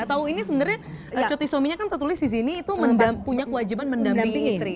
atau ini sebenarnya cuti suaminya kan tertulis di sini itu punya kewajiban mendampingi istri